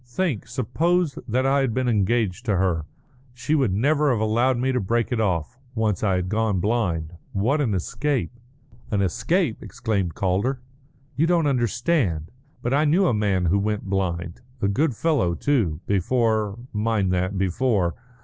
"Think! Suppose that I had been engaged to her! She would never have allowed me to break it off, once I had gone blind. What an escape!" "An escape?" exclaimed Calder. "You don't understand. But I knew a man who went blind; a good fellow, too, before mind that, before!